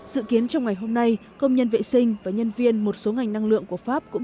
dự kiến trong ngày hôm nay công nhân vệ sinh và nhân viên một số ngành năng lượng của pháp cũng